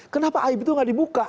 kenapa aib itu gak dibuka